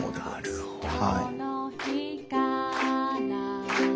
なるほど。